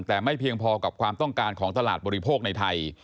แต่ไม่เพียงพอกับความต้องการของตลาดบริโภคในไทย